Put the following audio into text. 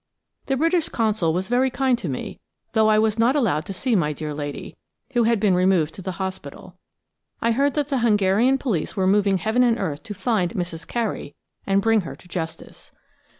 The British Consul was very kind to me; though I was not allowed to see my dear lady, who had been removed to the hospital. I heard that the Hungarian police were moving heaven and earth to find "Mrs. Carey" and bring her to justice.